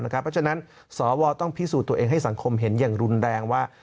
เพราะฉะนั้นสวต้องพิสูจน์ตัวเองให้สังคมเห็นอย่างรุนแรงว่า